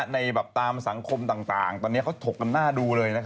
ตามสังคมต่างตอนนี้เขาถกกันหน้าดูเลย